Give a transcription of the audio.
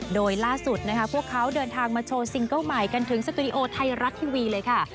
โดยล่าสุดนะคะพวกเขาเดินทางมาโชว์ซิงเกิ้ลใหม่กันถึงสตูดิโอไทยรัฐทีวีเลยค่ะ